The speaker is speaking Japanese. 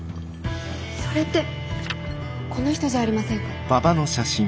それってこの人じゃありませんか？